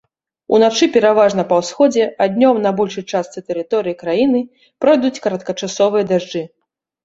Уначы пераважна па ўсходзе, а днём на большай частцы тэрыторыі краіны пройдуць кароткачасовыя дажджы.